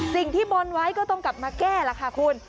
สิ่งที่บนไว้ก็ต้องกลับมาแก้ล่ะค่ะคุณ